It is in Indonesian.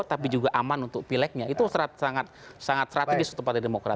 dan juga aman untuk pilegnya itu sangat strategis untuk partai demokrat